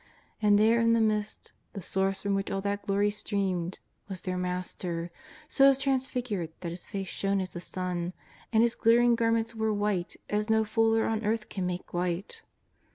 And there in the midst — the Source from which all that glory streamed — was their Master, so transfigured that His face shone as the sun, and His glittering garments were white as no fuller on earth can make white.